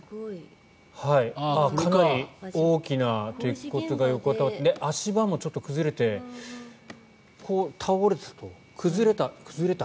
かなり大きな鉄骨が横たわって、足場も崩れて倒れた、崩れた。